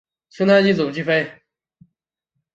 清太祖继妃。